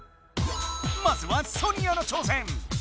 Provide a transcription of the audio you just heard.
まずはソニアの挑戦！